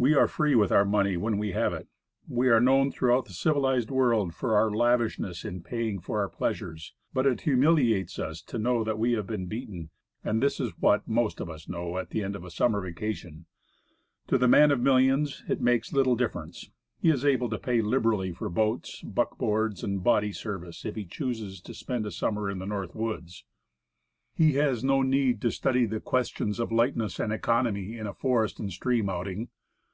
We are free with our money when we have it. We are known throughout the civilized world for our lavishness in paying for our pleasures; but it humiliates us to know we have been beaten, and this is what the most of us do know at the end of a summer vacation. To the man of millions it makes little difference. Outers. 3 He is able to pay liberally for boats, buckboards and "body service," if he chooses to spend a summer in the North Woods. He has no need to study the questions of lightness and economy in a forest and stream outing.